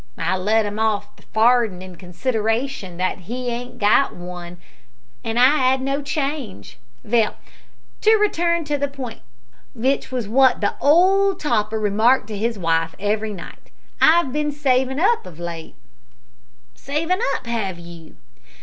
I let 'im off the farden in consideration that he 'adn't got one, an' I had no change. Vell, to return to the p'int vich was wot the old toper remarked to his wife every night I've bin savin' up of late." "Saving up, have you?"